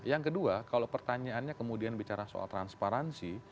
yang kedua kalau pertanyaannya kemudian bicara soal transparansi